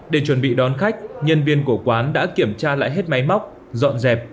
để chuẩn bị đón khách nhân viên của quán đã kiểm tra lại hết máy móc dọn dẹp